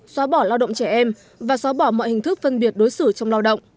xóa bỏ lao động trẻ em và xóa bỏ mọi hình thức phân biệt đối xử trong lao động